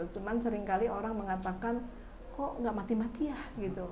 cuman seringkali orang mengatakan kok nggak mati mati ya gitu